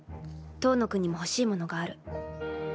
塔野君にも欲しいものがある。